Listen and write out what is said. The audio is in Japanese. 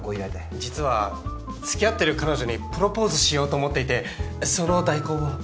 実は付き合ってる彼女にプロポーズしようと思っていてその代行を。